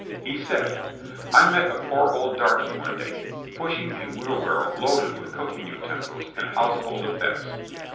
He said: "I met a poor old darkey one day, pushing a wheelbarrow loaded with cooking utensils and household effects.